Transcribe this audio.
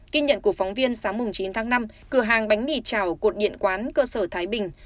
kinh nhận của phóng viên sáng chín tháng năm cửa hàng bánh mì trào cột điện quán cơ sở thái bình